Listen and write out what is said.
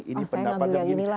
ini pendapatnya begini